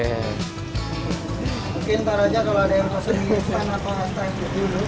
mungkin taruh aja kalau ada yang mau se mi instan atau se stay gitu dulu